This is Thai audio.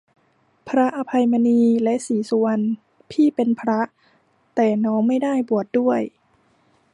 พระอภัยมณี และศรีสุวรรณ พี่เป็นพระ แต่น้องไม่ได้บวชด้วย